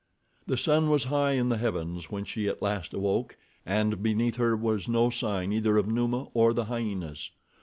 The sun was high in the heavens when she at last awoke, and beneath her was no sign either of Numa or the hyenas.